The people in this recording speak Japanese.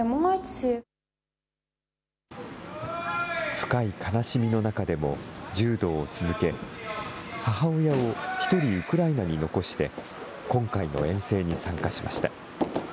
深い悲しみの中でも柔道を続け、母親を１人ウクライナに残して、今回の遠征に参加しました。